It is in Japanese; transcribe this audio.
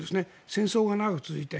戦争が長く続いて。